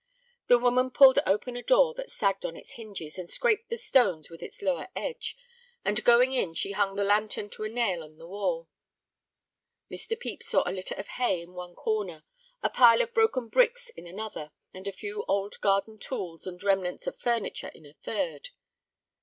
The woman pulled open a door that sagged on its hinges and scraped the stones with its lower edge, and going in she hung the lantern to a nail in the wall. Mr. Pepys saw a litter of hay in one corner, a pile of broken bricks in another, and a few old garden tools and remnants of furniture in a third.